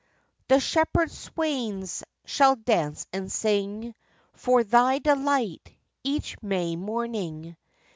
The shepherd swains shall dance and sing For thy delight each May morning.